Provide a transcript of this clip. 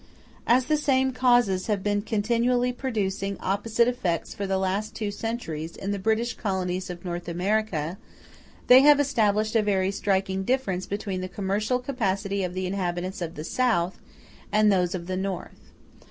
As the same causes have been continually producing opposite effects for the last two centuries in the British colonies of North America, they have established a very striking difference between the commercial capacity of the inhabitants of the South and those of the North.